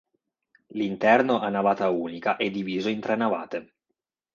L'interno a navata unica è diviso in tre navate.